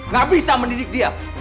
gak bisa mendidik dia